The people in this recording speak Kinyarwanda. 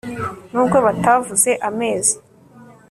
nubwo batavuze amezi